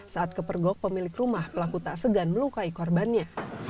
saat kepergok pemilik rumah pelaku tak segan melukai korbannya